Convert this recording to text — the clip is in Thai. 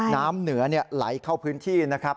น้ำเหนือไหลเข้าพื้นที่นะครับ